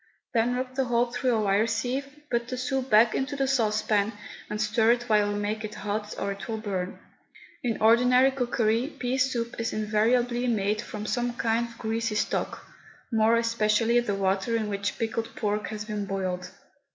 Then rub the whole through a wire sieve, put the soup back into the saucepan, and stir it while you make it hot or it will burn. In ordinary cookery, pea soup is invariably made from some kind of greasy stock, more especially the water in which pickled pork has been boiled.